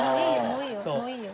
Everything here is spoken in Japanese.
もういいよ。